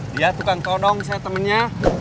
dia tukang todong saya temennya